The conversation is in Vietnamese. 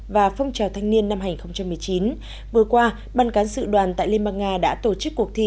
và phong trào thanh niên năm hai nghìn một mươi chín vừa qua ban cán sự đoàn tại liên bang nga đã tổ chức cuộc thi